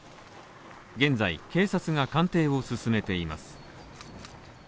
現在、警察が鑑定を進めています。